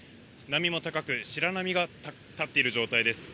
波も高く、白波が立っている状態です。